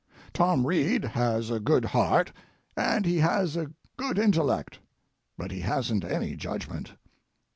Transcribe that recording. Tom Reed has a good heart, and he has a good intellect, but he hasn't any judgment.